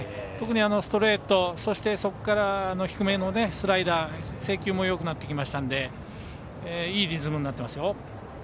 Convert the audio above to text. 特にストレート、そしてそこから低めのスライダー制球もよくなってきましたのでいいリズムになってますよ。